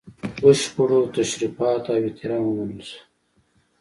بشپړو تشریفاتو او احترام ومنل سو.